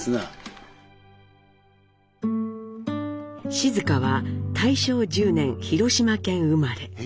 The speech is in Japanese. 静香は大正１０年広島県生まれ。